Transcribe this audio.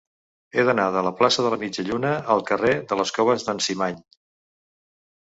He d'anar de la plaça de la Mitja Lluna al carrer de les Coves d'en Cimany.